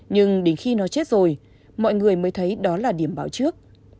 nhưng đến khi nó chết rồi mọi người mới thấy đó là điểm bão trước